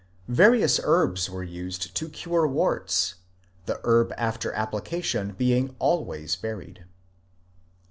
Various herbs were used to cure warts, the herb after application being always buried.